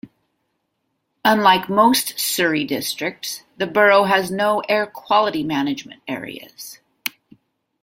Unlike most Surrey districts the borough has no Air Quality Management Areas.